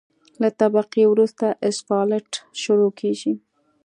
له دې طبقې وروسته اسفالټ شروع کیږي